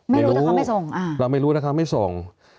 ไม่รู้เราไม่รู้ถ้าเขาไม่ส่ง